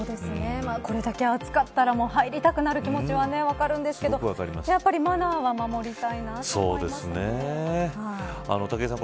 これだけ暑かったら海に入りたくなる気持ちは分かるんですけどやっぱり、マナーは守りたいな武井さん